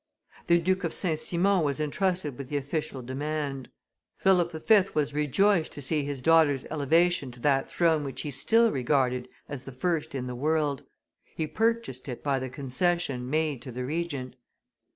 The Duke of St. Simon was intrusted with the official demand. Philip V. was rejoiced to see his daughter's elevation to that throne which he still regarded as the first in the world; he purchased it by the concession made to the Regent.